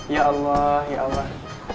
ya allah ya allah